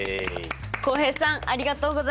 浩平さんありがとうございます。